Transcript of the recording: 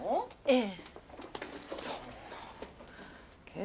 ええ？